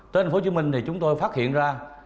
trên thành phố hồ chí minh thì chúng tôi phát hiện ra